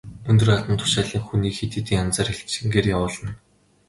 Өндөр албан тушаалын хүнийг хэд хэдэн янзаар элчингээр явуулна.